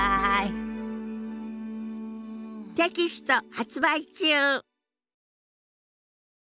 テキスト発売中。